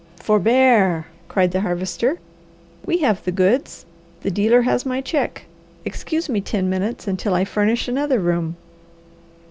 "Forbear!" cried the Harvester. "We have the goods, the dealer has my check. Excuse me ten minutes, until I furnish another room."